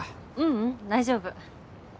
ううん大丈夫。